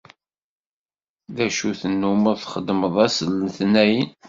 D acu tennumeḍ txeddmeḍ ass n letnayen?